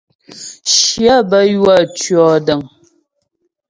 Shyə bə́ ywə̌ tʉ̂ɔdəŋ.